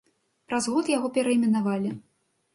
Праз год яго перайменавалі.